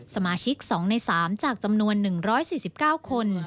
สมาชิก๒ใน๓จากจำนวน๑๔๙คน